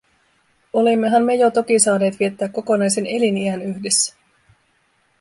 Olimmehan me jo toki saaneet viettää kokonaisen eliniän yhdessä.